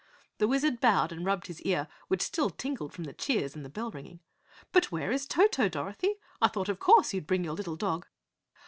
The Wizard bowed and rubbed his ear which still tingled from the cheers and bell ringing. "But where is Toto, Dorothy? I thought of course you'd bring your little dog."